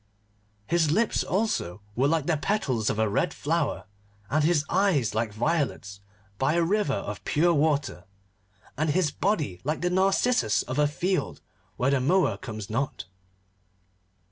His lips, also, were like the petals of a red flower, and his eyes were like violets by a river of pure water, and his body like the narcissus of a field where the mower comes not.